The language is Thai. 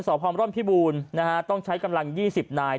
สอบพรรณร่อนพิบูรณ์ต้องใช้กำลัง๒๐นาย